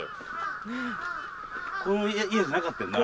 この家じゃなかってんな。